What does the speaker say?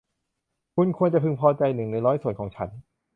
คุณควรจะพึงพอใจหนึ่งในร้อยส่วนของฉัน